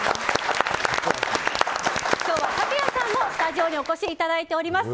今日はＴＡＫＵＹＡさんもスタジオにお越しいただいております。